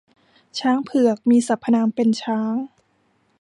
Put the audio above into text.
ช้างเผือก มีสรรพนามเป็นช้าง